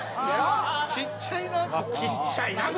ちっちゃいな口！